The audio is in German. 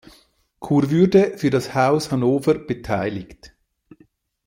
Kurwürde für das Haus Hannover beteiligt.